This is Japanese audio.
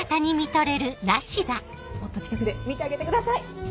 もっと近くで見てあげてください！